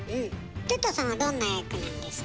哲太さんはどんな役なんですか？